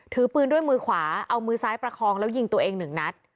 ถือปืนด้วยมือขวาเอามือซ้ายประคองแล้วยิงตัวเองหนึ่งนัด